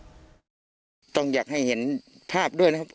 ต้องอยากให้เห็นภาพด้วยนะครับ